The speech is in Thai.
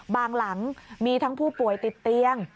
หลังมีทั้งผู้ป่วยติดเตียง